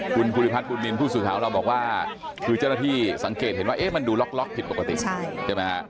คุณภูริพัฒนบุญนินทร์ผู้สื่อข่าวของเราบอกว่าคือเจ้าหน้าที่สังเกตเห็นว่ามันดูล็อกผิดปกติใช่ไหมฮะ